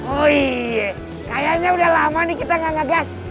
oiyy kayaknya udah lama nih kita gak ngegas